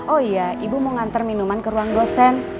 oh iya ibu mau ngantar minuman ke ruang dosen